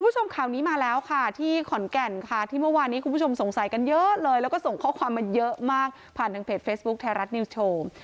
คุณผู้ชมข่าวนี้มาแล้วค่ะที่ขอนแก่นค่ะที่เมื่อวานนี้คุณผู้ชมสงสัยกันเยอะเลยแล้วก็ส่งข้อความมาเยอะมากผ่านทางเพจเฟซบุ๊คไทยรัฐนิวส์โชว์